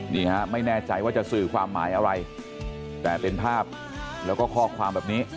นี่ฮะไม่แน่ใจว่าจะสื่อความหมายอะไรแต่เป็นภาพแล้วก็ข้อความแบบนี้